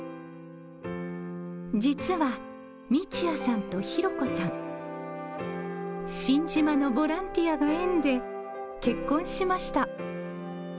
実は道也さんとひろ子さん新島のボランティアが縁で結婚しました。